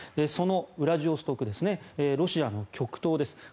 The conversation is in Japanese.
そのウラジオストクですねロシアの極東です。